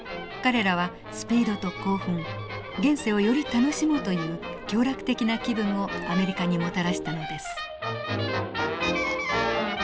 彼らはスピードと興奮現世をより楽しもうという享楽的な気分をアメリカにもたらしたのです。